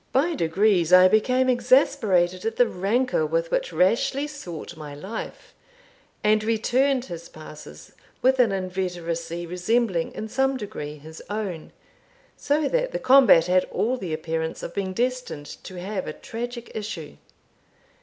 By degrees I became exasperated at the rancour with which Rashleigh sought my life, and returned his passes with an inveteracy resembling in some degree his own; so that the combat had all the appearance of being destined to have a tragic issue.